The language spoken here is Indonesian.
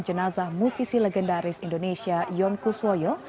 jenazah musisi legendaris indonesia yon kuswoyo